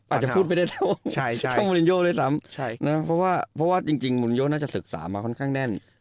อาจจะพูดไปเรื่องบูรินโตเลยซ้ำเพราะว่าจริงบูรินโยน่าจะศึกษามาก่อนค่อนข้างแน่น